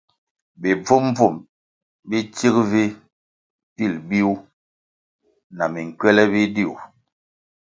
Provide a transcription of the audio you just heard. Bi bvum-bvum bi tsig vi pil biwuh na minkywele biduih.